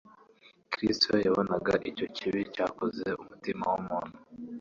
Kristo yabonaga icyo kibi cyakoze umutima w'umuntu;